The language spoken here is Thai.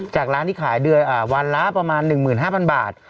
จากร้านที่ขายเดือนวันละประมาณ๑๕๐๐บาท